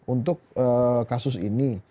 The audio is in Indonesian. untuk kasus ini